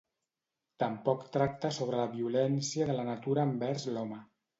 Tampoc tracta sobre la violència de la natura envers l'home.